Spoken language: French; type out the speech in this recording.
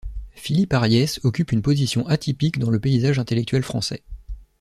Philippe Ariès occupe une position atypique dans le paysage intellectuel français.